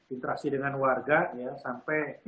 interaksi dengan warga ya sampai